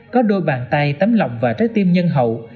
có đôi bàn tay tấm lòng và trái tim nhân hậu